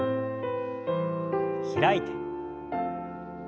開いて。